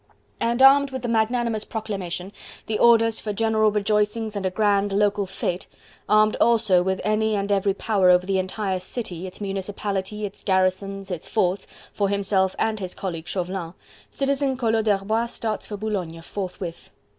And armed with the magnanimous proclamation, the orders for general rejoicings and a grand local fete, armed also with any and every power over the entire city, its municipality, its garrisons, its forts, for himself and his colleague Chauvelin, Citizen Collot d'Herbois starts for Boulogne forthwith.